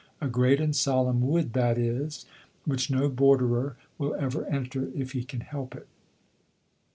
A great and solemn wood that is, which no borderer will ever enter if he can help it.